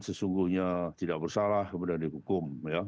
sesungguhnya tidak bersalah kemudian dihukum